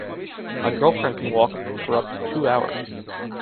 My girlfriend can walk for up to two hours